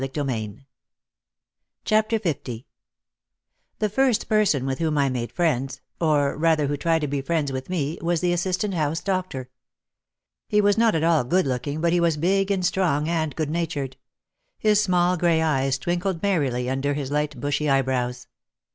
OUT OF THE SHADOW 237 The first person with whom I made friends (or rather, who tried to be friends with me), was the assistant house doctor. He was not at all good looking but he was big and strong and good natured. His small grey eyes twinkled merrily under his light bushy eyebrows.